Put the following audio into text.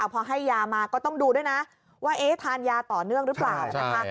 พอให้ยามาก็ต้องดูด้วยนะว่าเอ๊ะทานยาต่อเนื่องหรือเปล่านะคะ